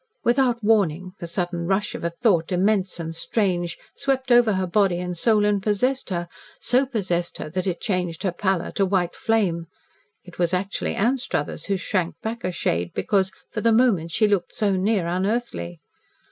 Without warning the sudden rush of a thought, immense and strange, swept over her body and soul and possessed her so possessed her that it changed her pallor to white flame. It was actually Anstruthers who shrank back a shade because, for the moment, she looked so near unearthly.